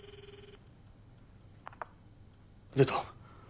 出た。